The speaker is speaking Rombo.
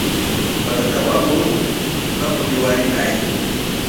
Watata wa uruu vakundi warii naqi.